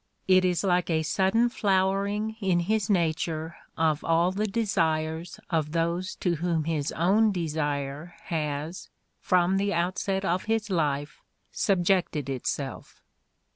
It is like a 128 Everybody's Neighbor 129 sudden flowering in his nature of all the desires of those to whom his own desire has, from the outset of his life, subjected itself!